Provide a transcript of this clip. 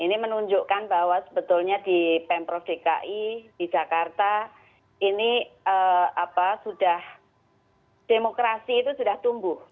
ini menunjukkan bahwa sebetulnya di pemprov dki di jakarta ini sudah demokrasi itu sudah tumbuh